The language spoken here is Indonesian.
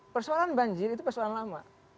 persoalan banjir itu persoalan lama